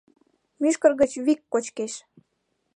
— Мӱшкыр гыч вик кочкеш...